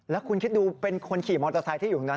แล้วคุณคิดดูเป็นคนขี่มอเตอร์ไซค์ที่อยู่ตรงนั้น